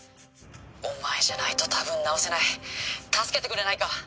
☎お前じゃないとたぶん直せない☎助けてくれないか？